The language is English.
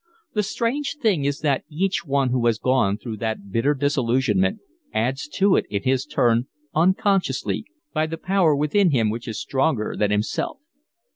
The strange thing is that each one who has gone through that bitter disillusionment adds to it in his turn, unconsciously, by the power within him which is stronger than himself.